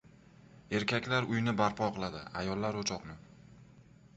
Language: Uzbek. • Erkaklar uyni barpo qiladi, ayollar ― o‘choqni.